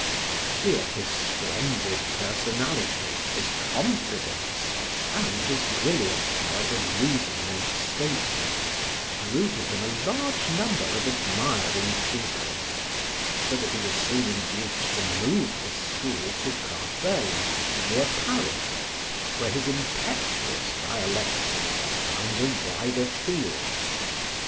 Here his splendid personality, his confidence, and his brilliant powers of reasoning and statement, drew to him a large number of admiring pupils, so that he was soon induced to move his school to Corbeil, near Paris, where his impetuous dialectic found a wider field.